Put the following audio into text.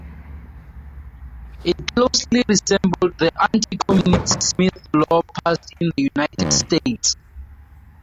It closely resembled the anti-communist Smith Law passed in the United States.